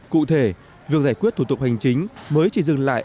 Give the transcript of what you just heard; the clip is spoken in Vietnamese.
cụ thể việc giải quyết thủ tục hành chính mới chỉ dừng lại